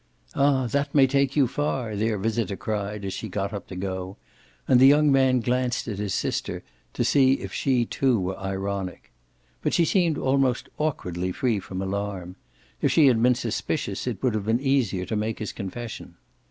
"Ah that may take you far!" their visitor cried as she got up to go; and the young man glanced at his sister to see if she too were ironic. But she seemed almost awkwardly free from alarm; if she had been suspicious it would have been easier to make his confession.